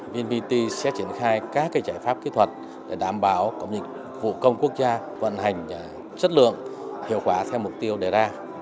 vnpt sẽ triển khai các giải pháp kỹ thuật để đảm bảo cổng dịch vụ công quốc gia vận hành chất lượng hiệu quả theo mục tiêu đề ra